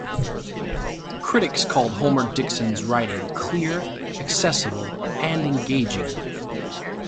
Critics called Homer-Dixon's writing clear, accessible, and engaging.